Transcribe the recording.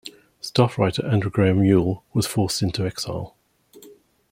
Staff writer Andrew Graham-Yooll was forced into exile.